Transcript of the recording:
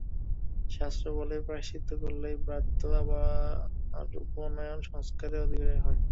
শাস্ত্র বলে, প্রায়শ্চিত্ত করলেই ব্রাত্য আবার উপনয়ন- সংস্কারের অধিকারী হয়।